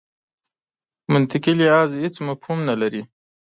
منطقي لحاظ هېڅ مفهوم نه لري.